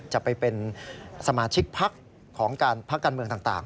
จะไปเป็นสมาชิกพักของการพักการเมืองต่าง